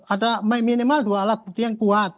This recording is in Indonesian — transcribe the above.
ada minimal dua alat bukti yang kuat